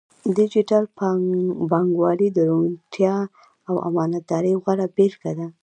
ډیجیټل بانکوالي د روڼتیا او امانتدارۍ غوره بیلګه ده.